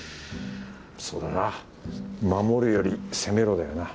そうだな守るより攻めろだよな。